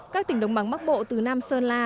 các tỉnh đồng bằng bắc bộ từ nam sơn la